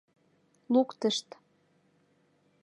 — Луктышт.